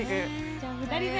じゃあ２人目。